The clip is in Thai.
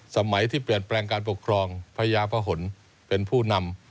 สมัยที่เปลี่ยนแปลงการปกครองพญาพะหนเป็นผู้นำ